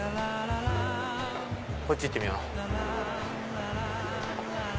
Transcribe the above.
こっち行ってみよう。